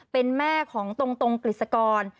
เป็นแม่ของตรงกฤษกร